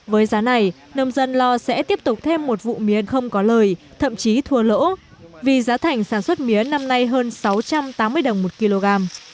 với giá này nông dân lo sẽ tiếp tục thêm một vụ mía không có lời thậm chí thua lỗ vì giá thành sản xuất mía năm nay hơn sáu trăm tám mươi đồng một kg